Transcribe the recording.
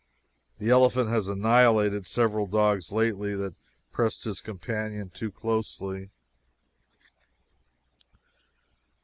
The elephant has annihilated several dogs lately that pressed his companion too closely.